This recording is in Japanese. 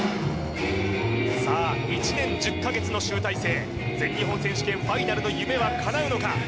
さあ１年１０か月の集大成全日本選手権ファイナルの夢はかなうのか？